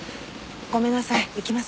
ごめんなさい行きます。